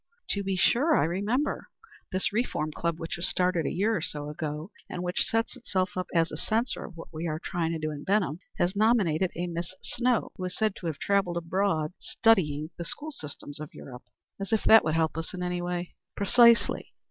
"To be sure. I remember. This Reform Club, which was started a year or so ago, and which sets itself up as a censor of what we are trying to do in Benham, has nominated a Miss Snow, who is said to have travelled abroad studying the school systems of Europe." "As if that would help us in any way." "Precisely.